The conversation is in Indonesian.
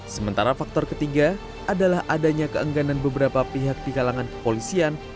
sementara faktor ketiga adalah adanya keengganan beberapa pihak di kalangan kepolisian